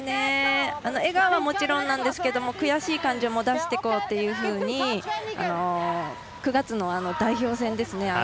笑顔はもちろんなんですけども悔しい感じも出していこうというふうに９月の代表戦ですね